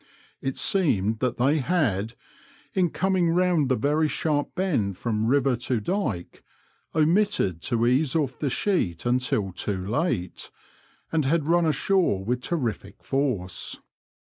It seemed that they had, in coming round the very sharp bend from river to dyke, omitted to ease off the sheet until too late, and had run ashore with terrific force.